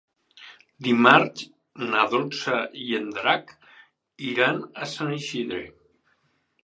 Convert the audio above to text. Dimarts na Dolça i en Drac iran a Sant Isidre.